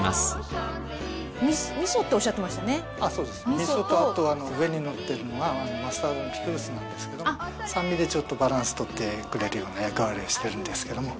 味噌とあと上にのってるのがマスタードピクルスなんですけど酸味でちょっとバランスとってくれるような役割をしてるんですけども。